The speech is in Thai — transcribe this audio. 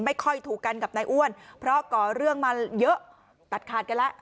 ไม่ค่อยถูกกันกับนายอ้วนเพราะก่อเรื่องมาเยอะตัดขาดกันแล้ว